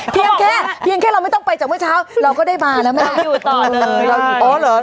เพียงแค่คุณไม่ต้องไปจากเมื่อเช้าเราก็ได้มาแล้วแม่